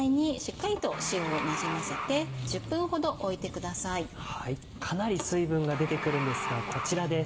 かなり水分が出てくるんですがこちらです。